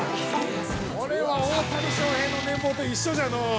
◆これは、大谷翔平の年俸と一緒じゃのう。